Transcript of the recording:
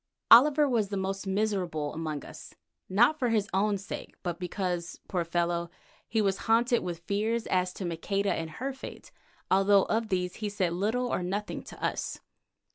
Oliver was the most miserable among us, not for his own sake, but because, poor fellow, he was haunted with fears as to Maqueda and her fate, although of these he said little or nothing to us.